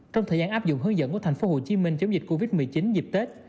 trong thời gian áp dụng hướng dẫn của thành phố hồ chí minh chống dịch covid một mươi chín dịp tết